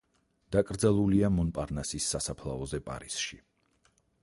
დაკრძალულია მონპარნასის სასაფლაოზე, პარიზში.